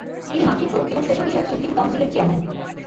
তিনি মাতৃত্ব এবং শৈশব বিষয়ক সুপ্রিম কাউন্সিলের চেয়ারম্যান।